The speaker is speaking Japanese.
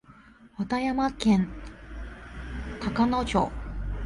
和歌山県高野町